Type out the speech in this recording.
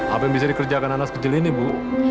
apa yang bisa dikerjakan anak kecil ini bu